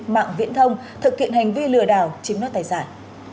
mạng viễn thông thực hiện hành vi lừa đảo chiếm đoạt tài sản